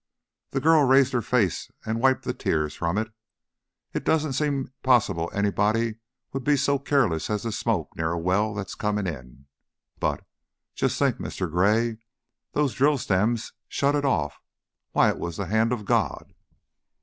The girl raised her face and wiped the tears from it. "It doesn't seem possible anybody would be so careless as to smoke near a well that was coming in, but Just think, Mr. Gray, those drill stems shut it off! Why, it was the hand of God!"